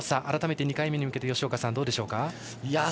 改めて２回目に向けて吉岡さん、どうでしょうか。